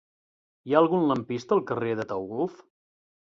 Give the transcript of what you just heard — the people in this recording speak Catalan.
Hi ha algun lampista al carrer d'Ataülf?